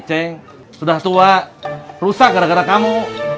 ceng sudah tua rusak gara gara kamu